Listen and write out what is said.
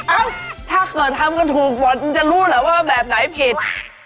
เอ้าถ้าเกิดทำกันถูกหมดมันจะรู้เหรอว่าแบบไหนผิด